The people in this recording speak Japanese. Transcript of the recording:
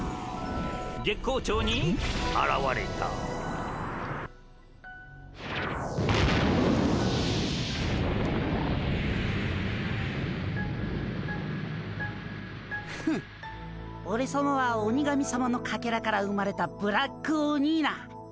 月光町にあらわれたフッオレさまは鬼神さまのかけらから生まれたブラックオニーナ。